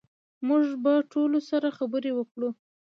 موږ به ټولو سره خبرې وکړو